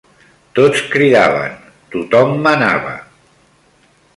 Tots cridaven, tot-hom manava